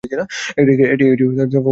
এটি 'ক' শ্রেণীর পৌরসভা।